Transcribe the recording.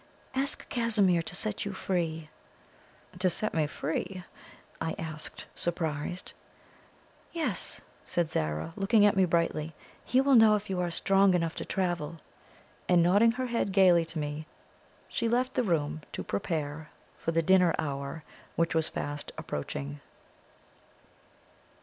Ask Casimir to set you free." "To set me free?" I asked, surprised. "Yes!" and Zara looked at me brightly. "He will know if you are strong enough to travel!" And, nodding her head gaily to me, she left the room to prepare for the dinner hour which was fast approaching.